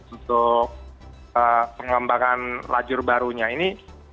untuk pengembangan lajur barunya ini